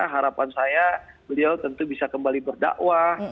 harapan saya beliau tentu bisa kembali berdakwah